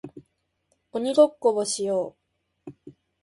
鬼ごっこをしよう